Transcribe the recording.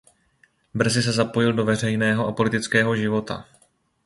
Brzy se zapojil do veřejného a politického života.